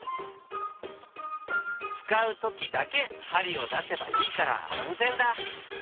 使うときだけ針を出せばいいから安全だ。